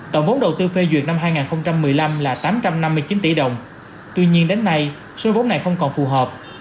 tổng vốn đầu tư phê duyệt năm hai nghìn một mươi năm là tám trăm năm mươi chín tỷ đồng tuy nhiên đến nay số vốn này không còn phù hợp